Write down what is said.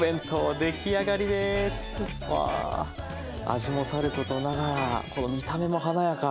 味もさることながらこの見た目も華やか。